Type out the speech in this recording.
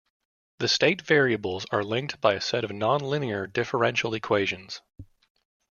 The state variables are linked by a set of nonlinear differential equations.